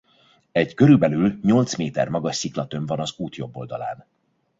Egy körülbelül nyolc méter magas sziklatömb van az út jobb oldalán.